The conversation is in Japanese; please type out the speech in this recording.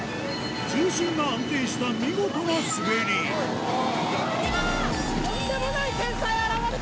重心が安定した見事な滑り早っ！